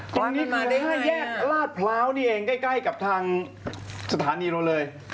ตอนนี้มาใน๕แยกลาดพร้าวนี่เองใกล้กับทางสถานีเราเลย